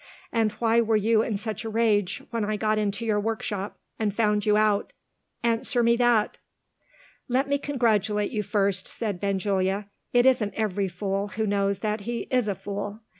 And why were you in such a rage when I got into your workshop, and found you out? Answer me that!" "Let me congratulate you first," said Benjulia. "It isn't every fool who knows that he is a fool.